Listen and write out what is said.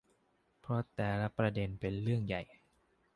เพราะแต่ละประเด็นเป็นเรื่องใหญ่